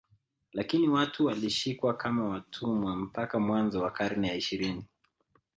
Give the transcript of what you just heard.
Lakini watu walishikwa kama watumwa mpaka mwanzo wa karne ya ishirini